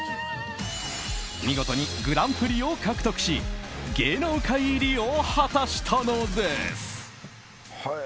見事にグランプリを獲得し芸能界入りを果たしたのです。